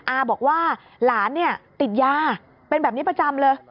อาบอกว่าหลานเนี่ยติดยาเป็นแบบนี้ประจำเลย